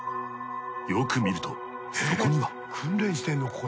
よく見るとそこには。えっ訓練してんの？